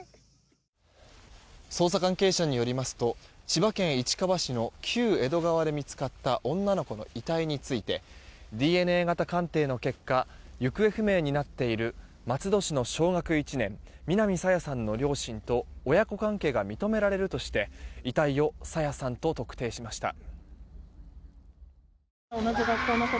捜査関係者によりますと千葉県市川市の旧江戸川で見つかった女の子の遺体についてＤＮＡ型鑑定の結果行方不明になっている松戸市の小学１年、南朝芽さんの両親と親子関係が認められるとして遺体を朝芽さんと特定しました。